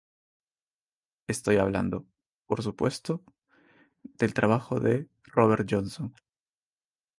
Estoy hablando, por supuesto, del trabajo de Robert Johnson.